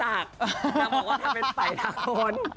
นางบอกว่าจะเป็นไฟทางคน